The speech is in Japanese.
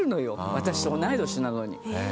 私と同い年なのに。